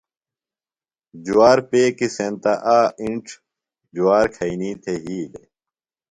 جوار پیکیۡ سینتہ آ اِنڇ جُوار کھئینی تھےۡ یھی دےۡ۔